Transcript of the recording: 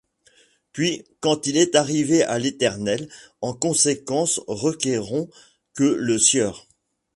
Puis, quand il est arrivé à l’éternel : en conséquence requérons que le sieur.